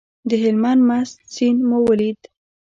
د هلمند مست سیند مو ولید.